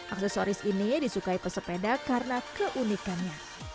aksesoris ini disukai pesepeda karena keunikannya